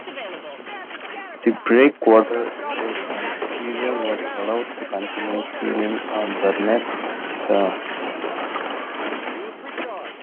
The "Breakwater" escaped and the "Superior" was allowed to continue sealing on Vernet's terms.